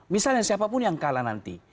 misalnya siapapun yang kalah nanti